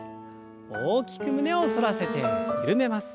大きく胸を反らせて緩めます。